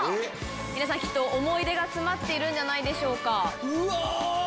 皆さんきっと思い出が詰まってるんじゃないでしょうか。